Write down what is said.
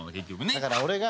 だから俺が。